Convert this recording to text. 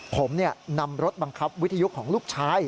ผมนำรถบังคับวิทยุของลูกชาย